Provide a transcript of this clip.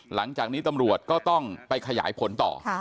หลังจากนี้ตำรวจก็ต้องไปขยายผลต่อ